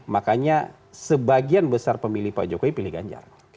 makanya sebagian besar pemilih pak jokowi pilih ganjar